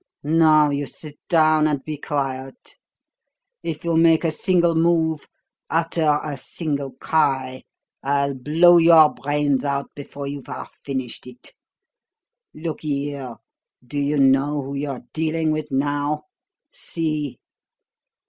Now you sit down and be quiet! If you make a single move, utter a single cry, I'll blow your brains out before you've half finished it. Look here, do you know who you're dealing with now? See!"